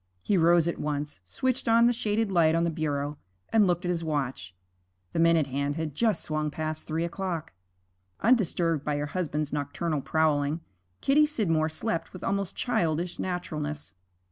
He rose at once, switched on the shaded light on the bureau, and looked at his watch: the minute hand had just swung past three o'clock. Undisturbed by her husband's nocturnal prowling, Kitty Scidmore slept with almost childish naturalness.